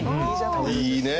いいねえ。